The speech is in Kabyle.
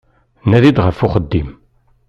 Nadi-d ɣef uxeddim.